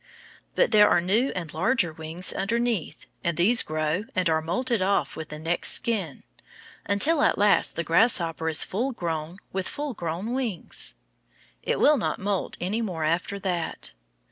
But there are new and larger wings underneath, and these grow and are moulted off with the next skin, until, at last, the grasshopper is full grown, with full grown wings. It will not moult any more after that.